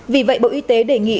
vì vậy bộ y tế đề nghị